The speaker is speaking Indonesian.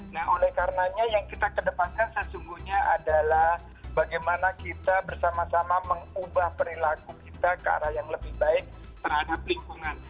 nah oleh karenanya yang kita kedepankan sesungguhnya adalah bagaimana kita bersama sama mengubah perilaku kita ke arah yang lebih baik terhadap lingkungan